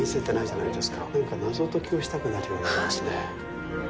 なんか、謎解きをしたくなるように思いますね。